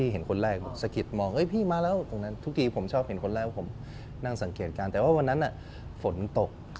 ให้ผมนั่งสังเกตการณ์แต่ว่าวันนั้นน่ะฝนตก